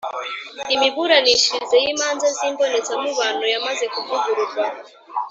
imiburanishirize y’imanza z’imbonezamubano yamaze kuvugururwa